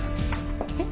えっ？